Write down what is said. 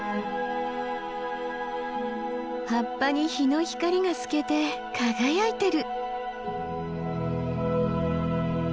葉っぱに日の光が透けて輝いてる。